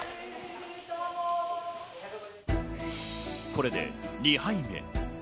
これで２敗目。